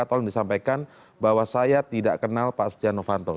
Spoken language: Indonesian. tolong disampaikan bahwa saya tidak kenal pak setia novanto